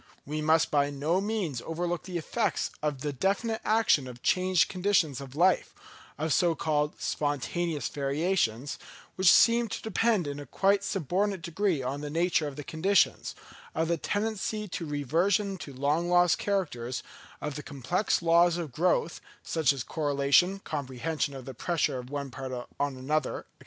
We must by no means overlook the effects of the definite action of changed conditions of life, of so called spontaneous variations, which seem to depend in a quite subordinate degree on the nature of the conditions, of the tendency to reversion to long lost characters, of the complex laws of growth, such as of correlation, comprehension, of the pressure of one part on another, &c.